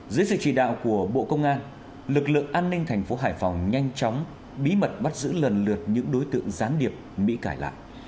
dưới sự chỉ đạo của bộ công an lực lượng an ninh thành phố hải phòng nhanh chóng bí mật bắt giữ lần lượt những đối tượng gián điệp bị cải lại